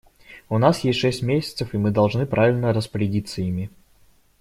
У нас есть шесть месяцев, и мы должны правильно распорядиться ими.